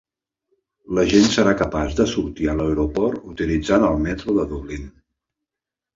La gent serà capaç de sortir a l'aeroport utilitzant el metro de Dublín.